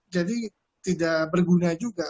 jadi tidak berguna juga